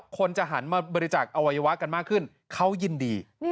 คนจะหันมาบริจาคอวัยวะกันมากขึ้นเขายินดี